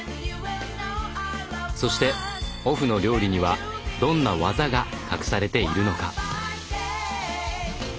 そしてオフの料理にはどんな技が隠されているのか？